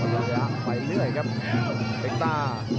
มันต้องอย่างไหวเรื่อยครับเด็กต้าร์